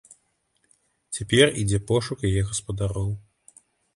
Цяпер ідзе пошук яе гаспадароў.